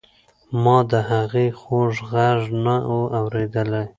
ما د هغې خوږ غږ نه و اورېدلی.